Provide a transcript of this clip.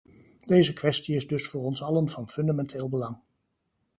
Deze kwestie is dus voor ons allen van fundamenteel belang.